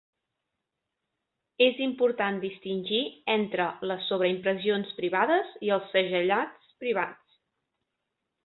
És important distingir entre les sobreimpressions privades i els segellats privats.